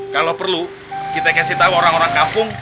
kalau perlu kita kasih tahu orang orang kampung